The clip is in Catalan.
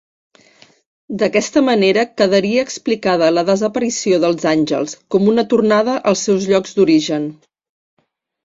D'aquesta manera quedaria explicada la desaparició dels àngels, com una tornada als seus llocs d'origen.